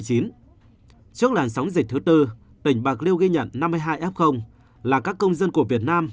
trước làn sóng dịch thứ tư tỉnh bạc liêu ghi nhận năm mươi hai f là các công dân của việt nam